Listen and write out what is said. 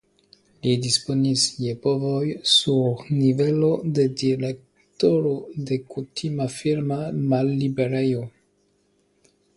Li disponis je povoj sur nivelo de direktoro de kutima firma malliberejo.